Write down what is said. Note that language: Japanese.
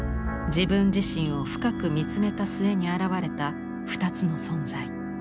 自分自身を深く見つめた末に現れた２つの存在。